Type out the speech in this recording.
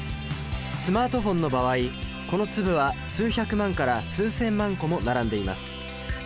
スマートフォンの場合この粒は数百万から数千万個も並んでいます。